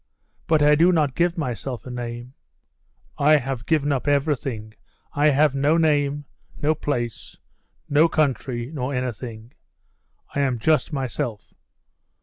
But I do not give myself a name. I have given up everything: I have no name, no place, no country, nor anything. I am just myself.